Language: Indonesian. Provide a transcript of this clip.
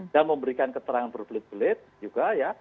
dan memberikan keterangan berbelit belit juga ya